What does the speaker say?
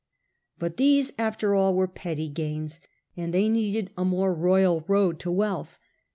But these, after all, were petty gains, and they needed a more royal road to wealth.